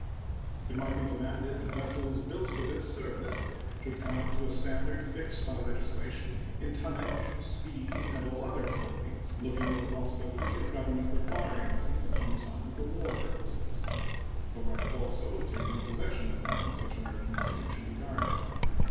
It might be demanded that vessels built for this service should come up to a standard fixed by legislation in tonnage, speed, and all other qualities, looking to the possibility of Government requiring them at some time for war purposes. The right also of taking possession of them in such emergency should be guarded.